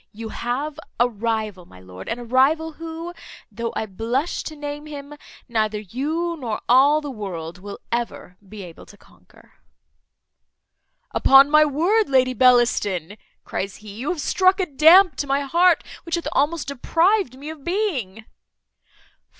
You have a rival, my lord, and a rival who, though I blush to name him, neither you, nor all the world, will ever be able to conquer." "Upon my word, Lady Bellaston," cries he, "you have struck a damp to my heart, which hath almost deprived me of being."